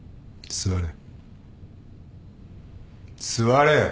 座れ！